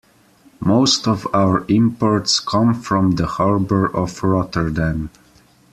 Most of our imports come from the harbor of Rotterdam.